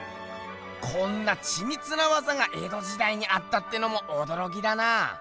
こんなちみつなわざがえどじだいにあったってのもおどろきだな。